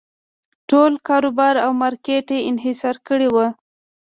ټول کاروبار او مارکېټ یې انحصار کړی و.